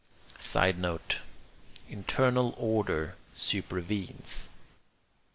[Sidenote: Internal order supervenes.